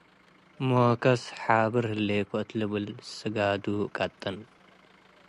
ሞከስ ሓብር ህሌኮ እት ልብል ስጋዱ ቀጥን።